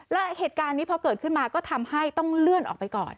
และเหตุการณ์นี้พอเกิดขึ้นมาก็ทำให้ต้องเลื่อนออกไปก่อน